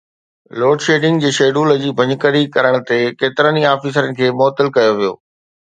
load shedding جي schedule جي ڀڃڪڙي ڪرڻ تي ڪيترن ئي آفيسرن کي معطل ڪيو ويو